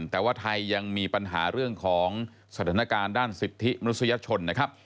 แต่ว่าไทยยังมีปัญหาเรื่องของสถานการณ์ด้านสิทธิมนุษยชนนะครับ